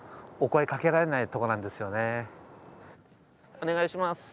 お願いします。